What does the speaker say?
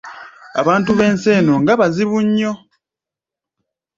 Abantu b’ensi eno nga bazibu nnyo!